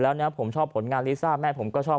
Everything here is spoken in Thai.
ผมชอบผลงานลิซ่าแม่ผมก็ชอบ